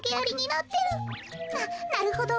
ななるほど。